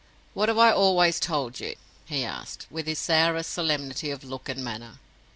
"What have I always told you?" he asked, with his sourest solemnity of look and manner.